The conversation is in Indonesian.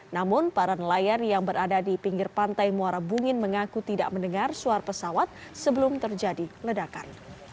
namun para nelayan yang berada di pinggir pantai muara bungin mengaku tidak mendengar suara pesawat sebelum terjadi ledakan